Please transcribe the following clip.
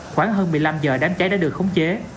khoảng hơn một mươi năm giờ đám cháy đã được khống chế